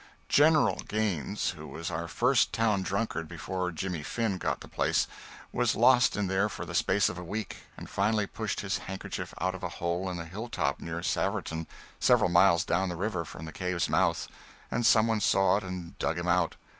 "General" Gaines, who was our first town drunkard before Jimmy Finn got the place, was lost in there for the space of a week, and finally pushed his handkerchief out of a hole in a hilltop near Saverton, several miles down the river from the cave's mouth, and somebody saw it and dug him out.